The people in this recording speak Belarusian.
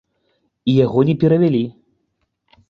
І яго не перавялі.